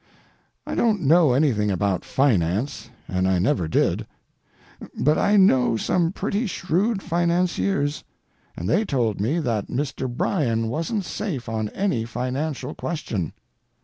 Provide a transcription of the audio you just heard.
I don't know anything about finance, and I never did, but I know some pretty shrewd financiers, and they told me that Mr. Bryan wasn't safe on any financial question.